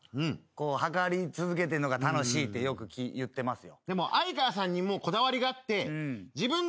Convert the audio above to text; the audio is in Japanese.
測り続けてるのが楽しいってよく言ってますよ。